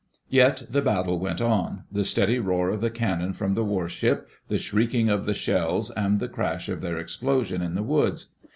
Yet the battle went on — the steady roar of the cannon from the warship, the shrieking of the shells, and the crash of their explosion in the woods.